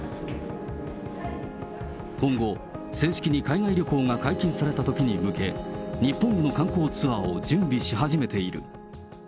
今後、正式に海外旅行が解禁されたときに向け、日本への観光ツアーを準備し始めている。